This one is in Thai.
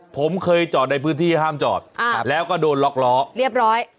ผมเคยจอดในพื้นที่ห้ามจอดแล้วก็โดนล็อกล้อเรียบร้อย